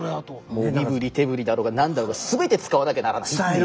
もう身振り手振りだろうが何だろうが全て使わなきゃならないっていう。